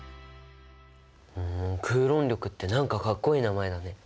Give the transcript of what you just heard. クーロン力って何かかっこいい名前だね。